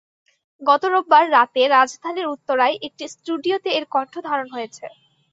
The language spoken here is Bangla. গত রোববার রাতে রাজধানীর উত্তরার একটি স্টুডিওতে এর কণ্ঠ ধারণ হয়েছে।